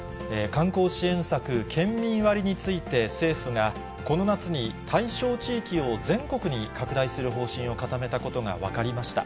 観光支援策、県民割について政府がこの夏に、対象地域を全国に拡大する方針を固めたことが分かりました。